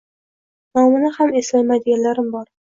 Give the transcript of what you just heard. Nomini ham eslolmaydiganim bor.